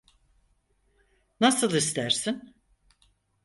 Nasıl istersin?